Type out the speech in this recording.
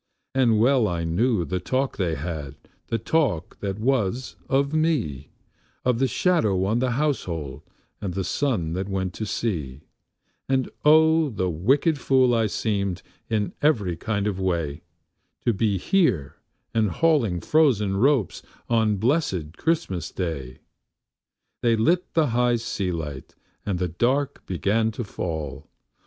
And well I knew the talk they had, the talk that was of me, Of the shadow on the household and the son that went to sea; And O the wicked fool I seemed, in every kind of way, To be here and hauling frozen ropes on blessed Christmas Day. They lit the high sea light, and the dark began to fall.